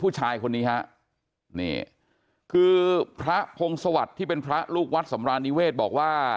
ผู้ชายคนนี้ฮะนี่คือพระพงศวรรค์ที่เป็นพระลูกวัดสำรานนิเวศบอกว่า